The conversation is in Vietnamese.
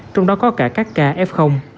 trong đó có cả các cả f